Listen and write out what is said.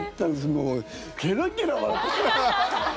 もうゲラゲラ笑って。